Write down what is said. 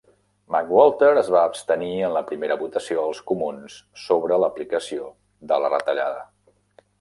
McWalter es va abstenir en la primera votació als Comuns sobre l'aplicació de la retallada.